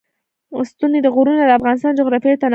ستوني غرونه د افغانستان د جغرافیوي تنوع مثال دی.